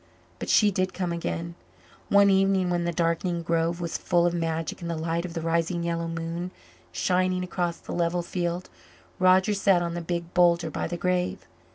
But she did come again. One evening, when the darkening grove was full of magic in the light of the rising yellow moon shining across the level field, Roger sat on the big boulder by the grave.